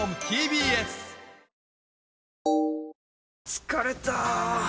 疲れた！